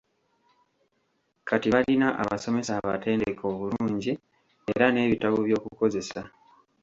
Kati balina abasomesa abatendeke obulungi era n'ebitabo by'okukozesa.